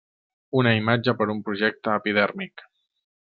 Una imatge per un projecte epidèrmic.